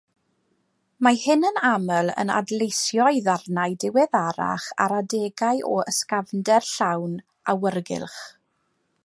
Mae hyn yn aml yn adleisio'i ddarnau diweddarach ar adegau o ysgafnder llawn awyrgylch.